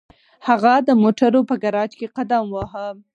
هغه د موټرو په ګراج کې قدم واهه